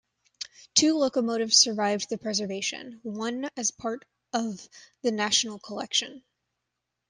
Two locomotives survived into preservation, one as part of the National Collection.